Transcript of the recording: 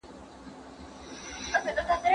د مسلمان هر مشروع عمل بايد په صحيح نيت وسي.